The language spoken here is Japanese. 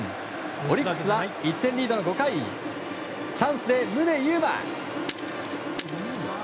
オリックスは１点リードの５回チャンスで宗佑磨。